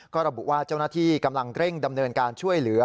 ก็ระบุว่าเจ้าหน้าที่กำลังเร่งดำเนินการช่วยเหลือ